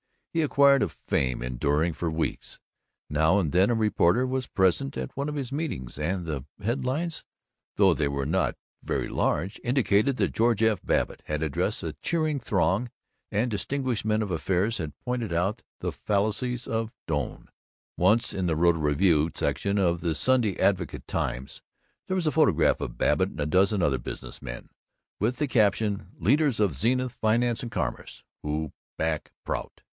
He acquired a fame enduring for weeks. Now and then a reporter was present at one of his meetings, and the headlines (though they were not very large) indicated that George F. Babbitt had addressed Cheering Throng, and Distinguished Man of Affairs had pointed out the Fallacies of Doane. Once, in the rotogravure section of the Sunday Advocate Times, there was a photograph of Babbitt and a dozen other business men, with the caption "Leaders of Zenith Finance and Commerce Who Back Prout."